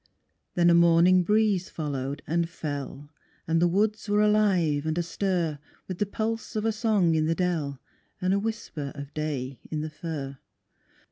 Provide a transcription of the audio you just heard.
Then a morning breeze followed and fell, And the woods were alive and astir With the pulse of a song in the dell, And a whisper of day in the fir.